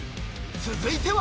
［続いては］